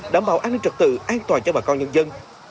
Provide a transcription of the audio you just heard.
đảm bảo an ninh trật tự an toàn cho bà con nhân dân